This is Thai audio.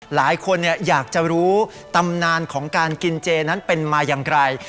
หลายคนอยากจะรู้ตำนานของการกินเจนั้นเป็นมาอย่างไร